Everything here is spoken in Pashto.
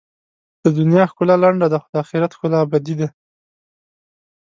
د دنیا ښکلا لنډه ده، خو د آخرت ښکلا ابدي ده.